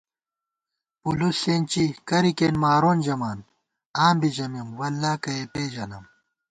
پُولُوس ݪېنچی ، کرِیکېن مارون ژمان، آں بی ژمېم “واللہ کَہ یےپېژَنم”